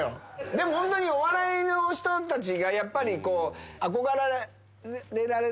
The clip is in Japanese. でもホントにお笑いの人たちがやっぱりこう憧れられるじゃん。